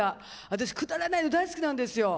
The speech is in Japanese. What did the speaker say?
私、くだらないの大好きなんですよ。